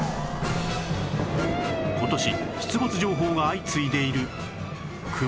今年出没情報が相次いでいるクマ